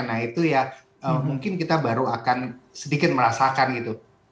nah itu ya mungkin kita baru akan sedikit merasakan gitu